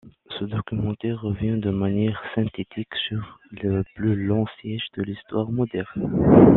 Ce documentaire revient de manière synthétique sur le plus long siège de l'histoire moderne.